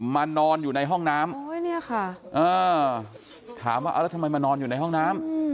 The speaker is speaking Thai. นอนอยู่ในห้องน้ำถามว่าเอาแล้วทำไมมานอนอยู่ในห้องน้ำ